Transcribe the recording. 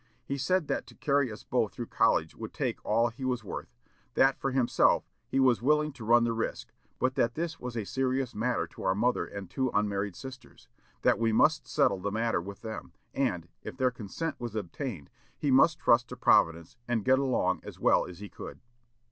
He said that to carry us both through college would take all he was worth; that, for himself, he was willing to run the risk; but that this was a serious matter to our mother and two unmarried sisters; that we must settle the matter with them, and, if their consent was obtained, he would trust to Providence, and get along as well as he could."